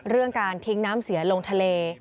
เรื่องการทิ้งน้ำเสียลงทะเล